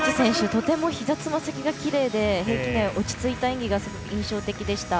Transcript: とてもひざ、つま先がきれいで平均台、落ち着いた演技が印象的でした。